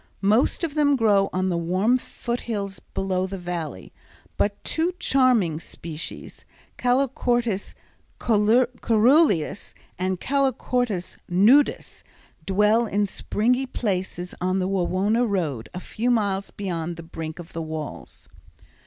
Most of them grow on the warm foothills below the Valley, but two charming species, C. cœruleus and C. nudus, dwell in springy places on the Wawona road a few miles beyond the brink of the walls.